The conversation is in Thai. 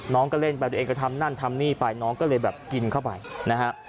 น้องก็เล่นไปตัวเองก็ทำนั่นทำนี่ไปน้องก็เลยแบบกินเข้าไปนะฮะ